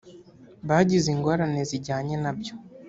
bagize ingorane zijyanye na byo